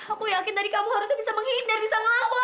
aku yakin tadi kamu harusnya bisa menghindar bisa ngelawan